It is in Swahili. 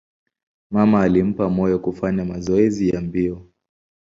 Mama alimpa moyo kufanya mazoezi ya mbio.